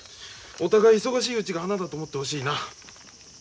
お互い忙しいうちが花だと思ってほしいな。